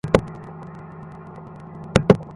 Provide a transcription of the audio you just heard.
আমাদের যাওয়া দরকার।